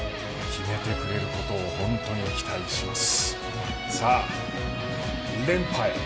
決めてくれることを本当に期待します。